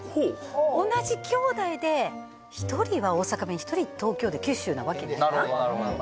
同じ兄弟で１人は大阪弁１人東京で九州なわけないや